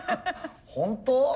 本当？